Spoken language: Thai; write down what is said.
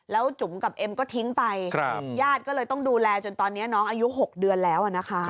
เราจุ้มกับเอมก็ทิ้งไปย่าก็เลยต้องดูแลจนตอนนี้น้องอายุ๖เดือนแล้ว